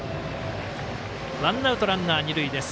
ワンアウト、ランナー、二塁です。